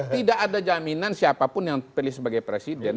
tidak ada jaminan siapa pun yang dipilih sebagai presiden